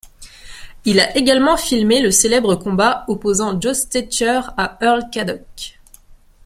Il a également filmé le célèbre combat opposant Joe Stecher à Earl Caddock.